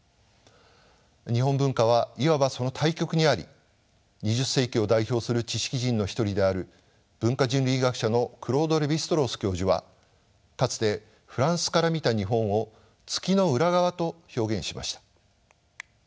日本文化はいわばその対極にあり２０世紀を代表する知識人の一人である文化人類学者のクロード・レヴィ＝ストロース教授はかつてフランスから見た日本を「月の裏側」と表現しました。